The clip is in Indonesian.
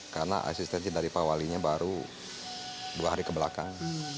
karena asisten dari pak walinya baru dua hari kebelakang